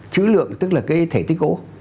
chữ lượng tức là cái thể tích gỗ